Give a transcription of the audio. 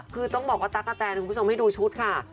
คือต้องบอกว่าตั้งตาแก้แตนดูชุดค่ะ